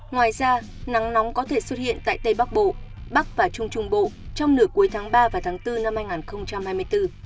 ngoài ra nắng nóng có thể xuất hiện tại tây bắc bộ bắc và trung trung bộ trong nửa cuối tháng ba và tháng bốn năm hai nghìn hai mươi bốn